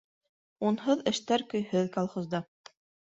Унһыҙ эштәр көйһөҙ колхозда.